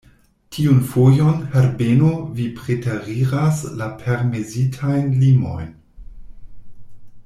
Tiun fojon, Herbeno, vi preteriras la permesitajn limojn.